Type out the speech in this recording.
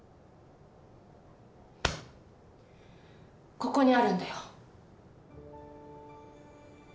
ここにあるんだよ。